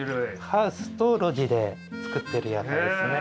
ハウスと露地で作ってる野菜ですね。